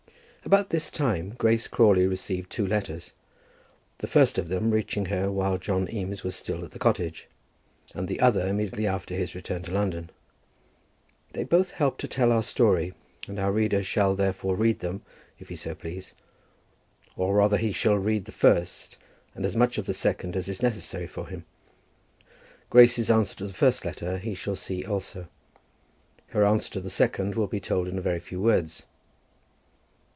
About this time Grace Crawley received two letters, the first of them reaching her while John Eames was still at the cottage, and the other immediately after his return to London. They both help to tell our story, and our reader shall, therefore, read them if he so please, or, rather, he shall read the first and as much of the second as is necessary for him. Grace's answer to the first letter he shall see also. Her answer to the second will be told in a very few words.